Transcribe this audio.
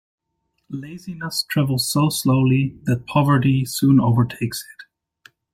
Laziness travels so slowly that poverty soon overtakes it.